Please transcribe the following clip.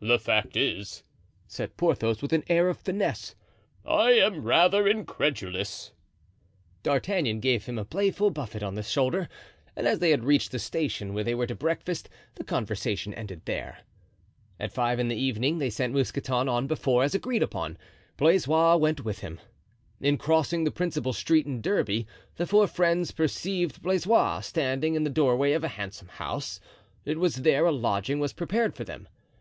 "The fact is," said Porthos, with an air of finesse, "I am rather incredulous." D'Artagnan gave him playful buffet on the shoulder, and as they had reached the station where they were to breakfast, the conversation ended there. At five in the evening they sent Mousqueton on before as agreed upon. Blaisois went with him. In crossing the principal street in Derby the four friends perceived Blaisois standing in the doorway of a handsome house. It was there a lodging was prepared for them.